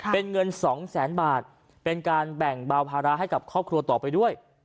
เป็นเงินสองแสนบาทเป็นการแบ่งเบาภาระให้กับครอบครัวต่อไปด้วย